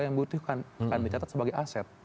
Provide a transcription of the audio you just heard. yang butuhkan akan dicatat sebagai aset